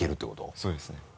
そうですね。